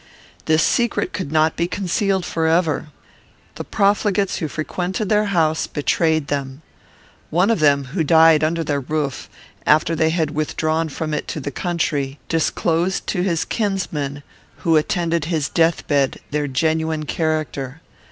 This secret could not be concealed forever. The profligates who frequented their house betrayed them. One of them, who died under their roof, after they had withdrawn from it into the country, disclosed to his kinsman, who attended his death bed, their genuine character.